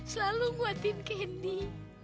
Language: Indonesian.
selalu menguatkan candy